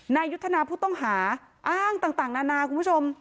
ยุทธนาผู้ต้องหาอ้างต่างนานาคุณผู้ชม